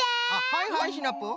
はいはいシナプー。